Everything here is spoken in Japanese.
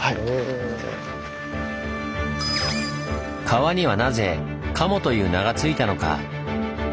川にはなぜ「賀茂」という名がついたのか？